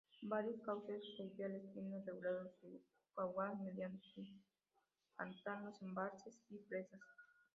Varios cauces fluviales tienen regulado su caudal mediante pantanos, embalses y presas.